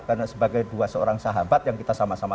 karena sebagai dua seorang sahabat yang kita sama sama